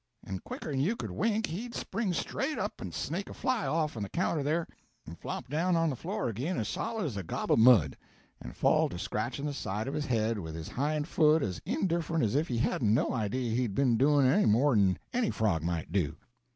and quicker'n you could wink he'd spring straight up and snake a fly off'n the counter there, and flop down on the floor ag'in as solid as a gob of mud, and fall to scratching the side of his head with his hind foot as indifferent as if he hadn't no idea he'd been doin' any more'n any frog might do.